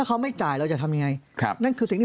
เพราะอาชญากรเขาต้องปล่อยเงิน